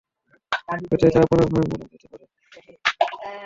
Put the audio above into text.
হয়তো এতে আপনার ভাই মরেও যেতে পারে?